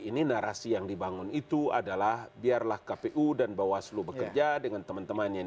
ini narasi yang dibangun itu adalah biarlah kpu dan bawaslu bekerja dengan teman teman yang